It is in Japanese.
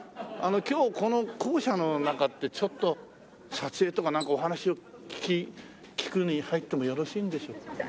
あの今日この校舎の中ってちょっと撮影とかなんかお話を聞くに入ってもよろしいんでしょうか？